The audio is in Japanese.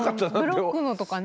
ブロックのとかね。